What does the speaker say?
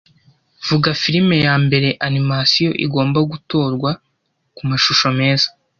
Vuga firime ya mbere ya animasiyo igomba gutorwa kumashusho meza